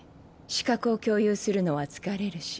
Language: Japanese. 視覚を共有するのは疲れるし。